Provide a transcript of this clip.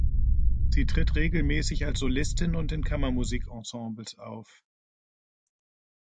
Sie tritt regelmäßig als Solistin und in Kammermusikensembles auf.